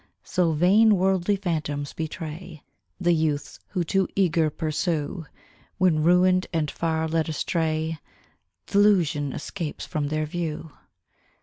So, vain worldly phantoms betray The youths who too eager pursue, When ruined and far led astray, Th' illusion escapes from their view.